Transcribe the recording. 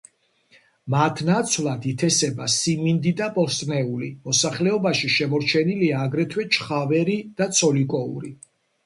მათ ნაცვლად ითესება სიმინდი და ბოსტნეული, მოსახლეობაში შემორჩენილია აგრეთვე ჩხავერი და ცოლიკოური.